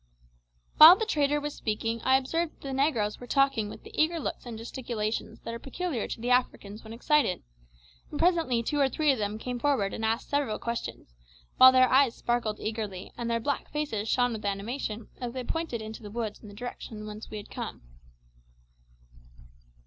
While the trader was speaking I observed that the negroes were talking with the eager looks and gesticulations that are peculiar to the Africans when excited, and presently two or three of them came forward and asked several questions, while their eyes sparkled eagerly and their black faces shone with animation as they pointed into the woods in the direction whence we had come.